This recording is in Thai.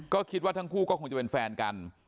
ก็คิดว่าทั้งคู่ก็คงจะเป็นแฟนกัน